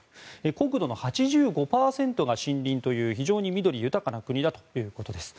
国土の８５％が森林という非常に緑豊かな国だということです。